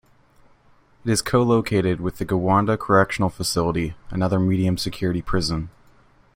It is co-located with the Gowanda Correctional Facility, another medium security prison.